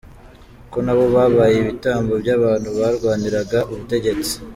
Ko nabo babaye ibitambo by’abantu barwaniraga ubutegetsi?